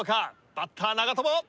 バッター長友。